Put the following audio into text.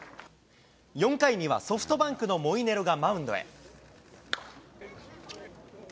４回にはソフトバンクのモイネロがマウンドへ。